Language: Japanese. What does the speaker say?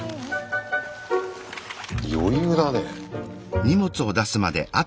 余裕だね。